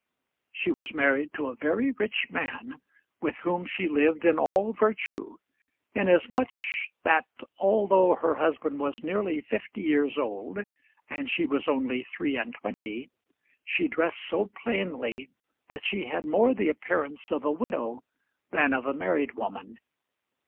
She was married to a very rich man, with whom she lived in all virtue, inasmuch that, although her husband was nearly fifty years old and she was only three and twenty, she dressed so plainly that she had more the appearance of a widow than of a married woman.